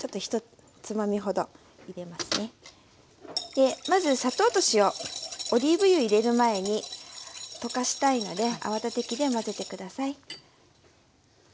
でまず砂糖と塩オリーブ油入れる前に溶かしたいので泡立て器で混ぜて下さい。